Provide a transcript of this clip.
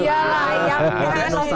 iya yang biasa